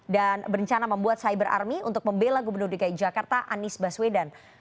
dan berencana membuat cyber army untuk membela gubernur dki jakarta anies baswedan